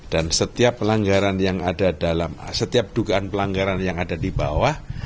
dan setiap pelanggaran yang ada dalam setiap dugaan pelanggaran yang ada di bawah